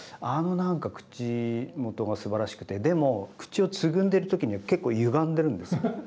あの何か口元がすばらしくてでも口をつぐんでる時には結構ゆがんでるんです。